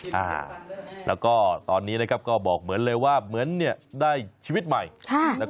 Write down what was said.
นะครับก็ได้ขอขอบคุณทุกคนที่ให้ความช่วย